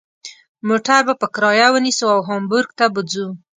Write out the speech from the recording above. موټر به په کرایه ونیسو او هامبورګ ته به ځو.